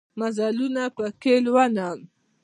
مزلونه پکښې لولم